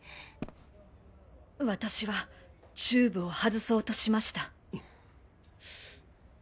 私はチューブを外そうとしました。